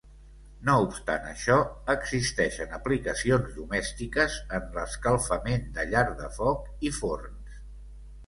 No obstant això existeixen aplicacions domèstiques en l'escalfament de llar de foc i forns.